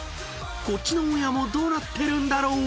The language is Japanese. ［こっちのオンエアもどうなってるんだろう？］